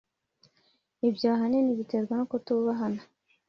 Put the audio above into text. ibyo ahanini babiterwa no kutubahana